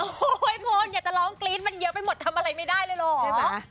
โอ้โหคุณอยากจะร้องกรี๊ดมันเยอะไปหมดทำอะไรไม่ได้เลยหรอกใช่ไหม